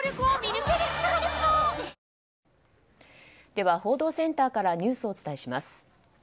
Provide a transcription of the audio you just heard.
では、報道センターからニュースをお伝えします。